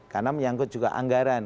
karena menyangkut juga anggaran